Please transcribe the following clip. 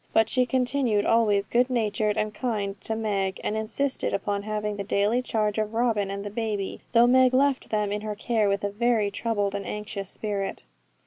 But she continued always good natured and kind to Meg, and insisted upon having the daily charge of Robin and the baby, though Meg left them in her care with a very troubled and anxious spirit.